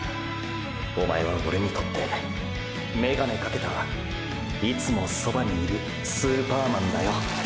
おまえはオレにとってメガネかけたいつも側にいる“スーパーマン”だよ